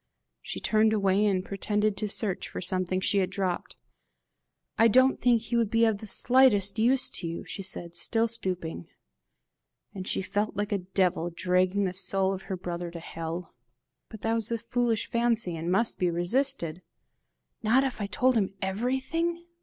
She turned away, and pretended to search for something she had dropped. "I don't think he would be of the slightest use to you," she said, still stooping. And she felt like a devil dragging the soul of her brother to hell. But that was a foolish fancy, and must be resisted! "Not if I told him everything?"